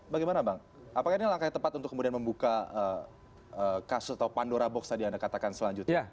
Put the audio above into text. bagaimana bang apakah ini langkah yang tepat untuk kemudian membuka kasus atau pandora box tadi anda katakan selanjutnya